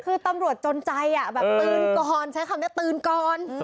คือตำรวจจนใจแบบตื่นก่อนใช้คำนี้ตื่นก่อน